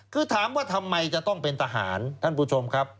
คือถามว่าทำไมจะต้องเป็นทหารท่านผู้ชมครับ